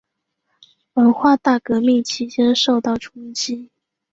文化大革命期间受到冲击。